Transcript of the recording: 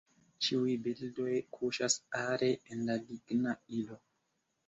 Ĉiuj bildoj kuŝas are en la ligna ilo.